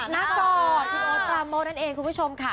น่ากอดที่โอปาโมนั่นเองคุณผู้ชมค่ะ